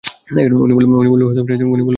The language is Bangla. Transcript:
উনি বলল, এতে অনেক খরচ হবে।